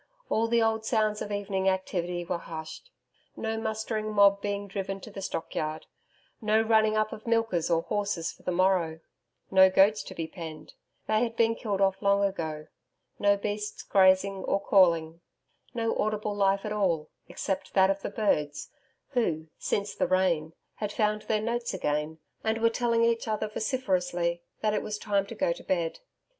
All the old sounds of evening activity were hushed. No mustering mob being driven to the stockyard; no running up of milkers or horses for the morrow; no goats to be penned they had been killed off long ago; no beasts grazing or calling no audible life at all except that of the birds, who, since the rain, had found their notes again and were telling each other vociferously that it was time to go to bed.